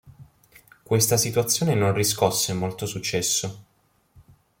Questa situazione non riscosse molto successo.